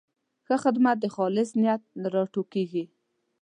ښه خدمت د خالص نیت نه راټوکېږي.